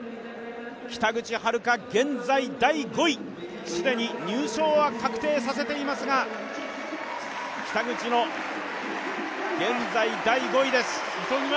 北口榛花、現在第５位、既に入賞は確定させていますが北口、現在第５位です。